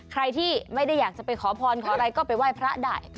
ใครที่ไม่ได้อยากจะไปขอพรขออะไรก็ไปไหว้พระได้